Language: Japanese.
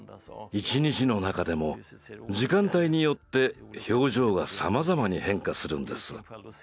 一日の中でも時間帯によって表情がさまざまに変化するんです。